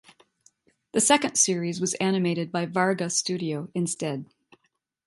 The second series was animated by Varga Studio instead.